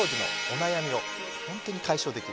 ホントに解消できる。